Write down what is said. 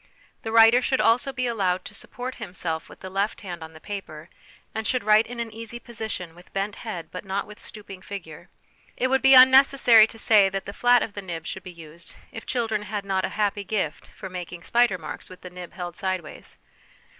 The writer should also be allowed to support himself with the left hand on the paper, and should write in an easy position, with bent head but not with stooping figure. It would be unnecessary to say that the flat of the nib should be used if children had not a happy gift for making spider marks with the nib held sideways.